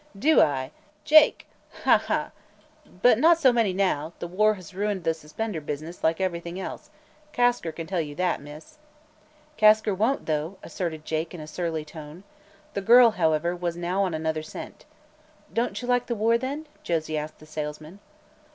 Do I, Jake? Ha, ha! But not so many now; the war has ruined the suspender business, like everything else. Kasker can tell you that, miss." "Kasker won't, though," asserted Jake in a surly tone. The girl, however, was now on another scent. "Don't you like the war, then?" Josie asked the salesman.